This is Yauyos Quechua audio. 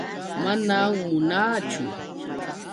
Manam munaachu.